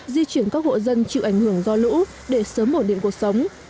di chuyển các hộ dân chịu ảnh hưởng do lũ để sớm bổ điện cuộc sống